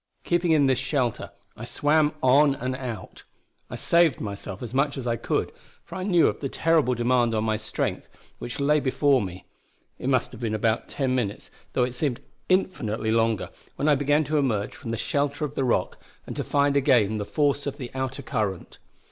Keeping in this shelter, I swam on and out; I saved myself as much as I could, for I knew of the terrible demand on my strength which lay before me. It must have been about ten minutes, though it seemed infinitely longer, when I began to emerge from the shelter of the Rock and to find again the force of the outer current.